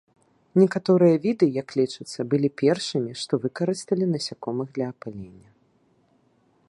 Некаторыя віды, як лічыцца, былі першымі, што выкарысталі насякомых для апылення.